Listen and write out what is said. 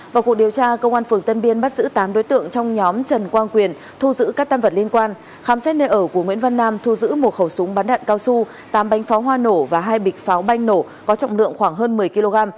tám bánh pháo hoa nổ và hai bịch pháo banh nổ có trọng lượng khoảng hơn một mươi kg